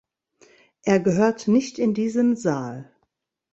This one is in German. Er gehört nicht in diesen Saal.